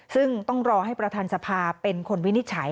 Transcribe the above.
ซึ่งต้องรอให้ประธานสภาเป็นคนวินิจฉัย